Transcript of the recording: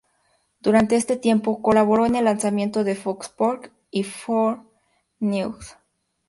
Durante este tiempo, colaboró en el lanzamiento de Fox Sports y Fox News.